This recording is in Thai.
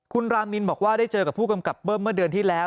คุณรามินบอกว่าได้เจอกับผู้กำกับเบิ้มเมื่อเดือนที่แล้ว